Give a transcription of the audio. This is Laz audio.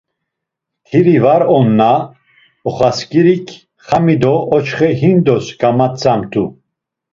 Mtiri var onna oxasǩirik xami do oçxe hindos gamatzamt̆u.